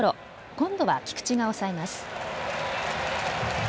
今度は菊池が抑えます。